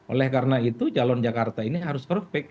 oleh karena itu calon jakarta ini harus perfect